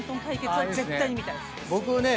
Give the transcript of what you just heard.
僕ね。